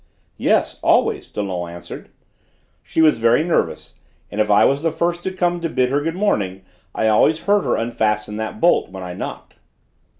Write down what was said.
"Yes, always," Dollon answered. "She was very nervous, and if I was the first to come to bid her good morning I always heard her unfasten that bolt when I knocked."